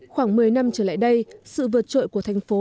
khoảng một mươi năm trở lại đây sự vượt trội của thành phố